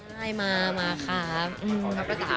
ใช่มาครับ